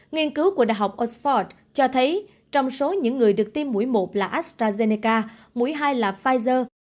nghiên cứu của đại học oxford cho thấy trong số những người được tiêm mũi một là astrazeneca mũi hai là pfizer